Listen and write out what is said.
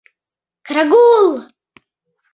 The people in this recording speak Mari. Крагул!..